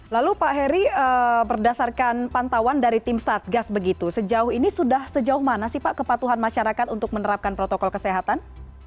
lalu pak heri berdasarkan pantauan dari tim satgas begitu sejauh ini sudah sejauh mana sih pak kepatuhan masyarakat untuk menerapkan protokol kesehatan